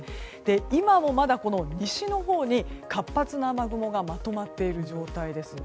今もまだ西のほうに活発な雨雲がまとまっている状態です。